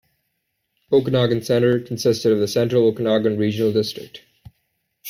Okanagan Centre consisted of the Central Okanagan Regional District.